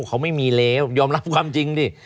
เขาไม่มีแล้วยอมรับความจริงดิ